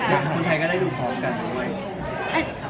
อเจมส์อยากทำใครก็ได้ดูพร้อมกันด้วย